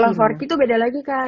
kalau forky tuh beda lagi kak